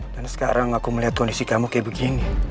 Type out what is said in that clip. dan sekarang aku melihat kondisi kamu kayak begini